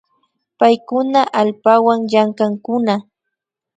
Paykuna allpawan llankankuna